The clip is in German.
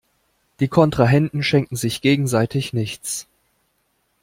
Die Kontrahenten schenken sich gegenseitig nichts.